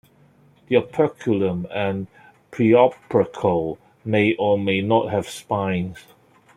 The operculum and preopercle may or may not have spines.